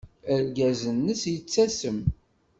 Argaz-nnes yettasem.